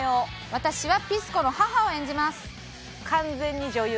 私はピス子の母を演じます。